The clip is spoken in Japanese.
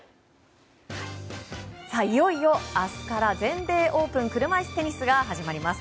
いよいよ明日から全米オープン車いすテニスが始まります。